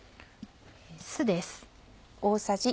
酢です。